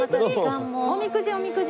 おみくじ！